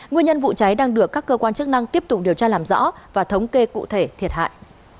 nguyên nhân vụ cháy đang được các cơ quan chức năng tiếp tục điều tra làm rõ và thống kê cụ thể thiệt hại